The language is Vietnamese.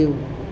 để ngưu mang đi